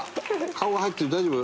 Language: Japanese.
顔が入ってる大丈夫？